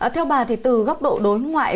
theo bà thì từ góc độ đối ngoại